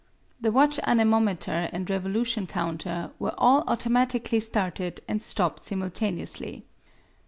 The watch, anemometer and revolution counter were all automatically started and stopped simultaneously.